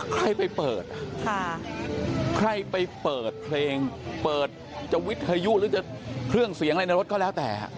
ใครไปเปิดใครไปเปิดเพลงเปิดจะวิทยุหรือจะเครื่องเสียงอะไรในรถก็แล้วแต่